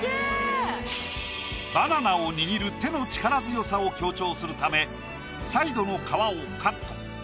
バナナを握る手の力強さを強調するためサイドの皮をカット。